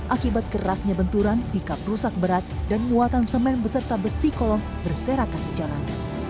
akibat kerasnya benturan pikap rusak berat dan muatan semen beserta besi kolong berserakan di jalan